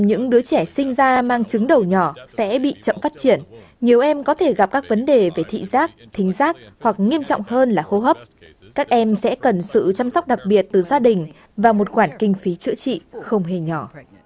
những đứa trẻ sinh ra mang chứng đầu nhỏ sẽ bị chậm phát triển nhiều em có thể gặp các vấn đề về thị giác thính giác hoặc nghiêm trọng hơn là hô hấp các em sẽ cần sự chăm sóc đặc biệt từ gia đình và một khoản kinh phí chữa trị không hề nhỏ